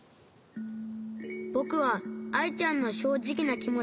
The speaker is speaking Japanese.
ぼくはアイちゃんのしょうじきなきもちきけてよかった。